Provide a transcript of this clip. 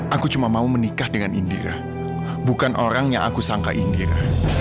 aku cuma mau menikah dengan india bukan orang yang aku sangka india